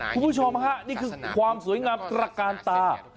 คุณผู้ชมฮะนี่คือความสวยงามตระกาลตา